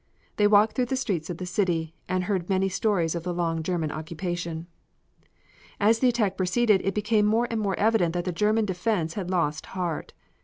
They walked through the streets of the city, and heard many stories of the long German occupation. As the attack proceeded it became more and more evident that the German defense had lost heart.